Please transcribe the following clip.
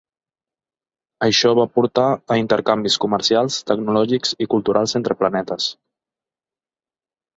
Això va portar a intercanvis comercials, tecnològics i culturals entre planetes.